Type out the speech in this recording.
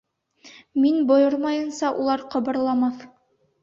— Мин бойормайынса улар ҡыбырламаҫ.